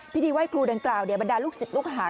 พิธีไหว้ครูดังกล่าวบรรดาลูกศิษย์ลูกหา